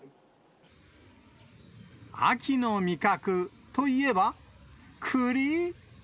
秋の味覚といえば、栗。